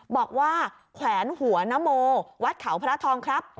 แขวนหัวนโมวัดเขาพระทองครับ